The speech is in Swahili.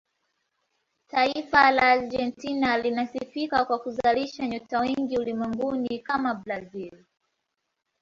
taifa la argentina linasifika kwa kuzalisha nyota wengi ulimwenguni kama brazil